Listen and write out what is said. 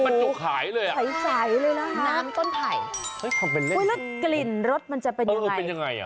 มันจุกหายเลยอ่ะน้ำต้นไผ่แล้วกลิ่นรสมันจะเป็นยังไง